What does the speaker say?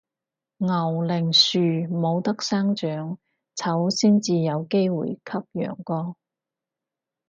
牛令樹冇得生長，草先至有機會吸陽光